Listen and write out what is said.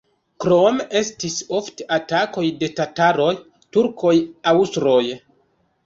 Krome estis ofte atakoj de tataroj, turkoj, aŭstroj.